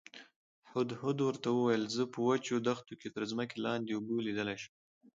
هدهد ورته وویل زه په وچو دښتو کې تر ځمکې لاندې اوبه لیدلی شم.